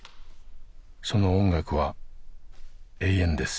その音楽は永遠です。